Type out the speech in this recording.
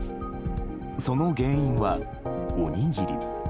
その原因は、おにぎり。